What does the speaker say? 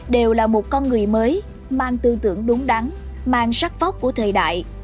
đều là một con người mới mang tư tưởng đúng đắn mang sắc phóc của thời đại